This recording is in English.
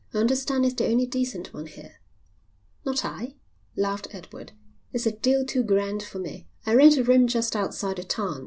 "I understand it's the only decent one here." "Not I," laughed Edward. "It's a deal too grand for me. I rent a room just outside the town.